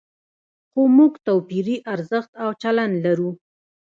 خو موږ توپیري ارزښت او چلند لرو.